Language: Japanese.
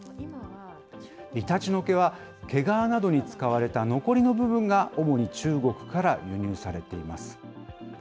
イタチの毛は、毛皮などに使われた残りの部分が、主に中国から輸入されています。